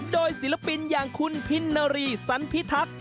โดยศิลปินอย่างคุณพินนารีสันพิทักษ์